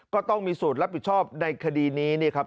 ก็ต้องมีสูตรรับผิดชอบในคดีนี้นี่ครับ